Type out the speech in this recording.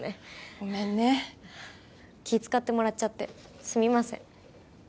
ごめんね気使ってもらっちゃってすみません